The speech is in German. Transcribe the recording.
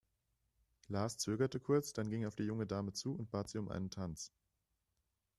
Lars zögerte kurz, dann ging er auf die junge Dame zu und bat sie um einen Tanz.